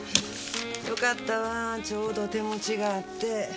良かったわぁちょうど手持ちがあって。